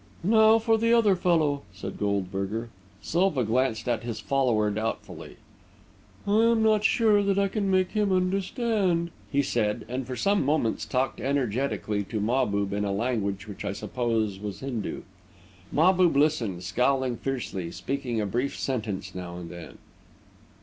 "Now for the other fellow," said Goldberger. Silva glanced at his follower doubtfully. "I am not sure that I can make him understand," he said, and for some moments talked energetically to Mahbub in a language which I suppose was Hindu. Mahbub listened, scowling fiercely, speaking a brief sentence now and then.